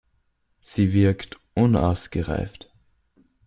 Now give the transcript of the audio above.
Sie wirkt unausgereift.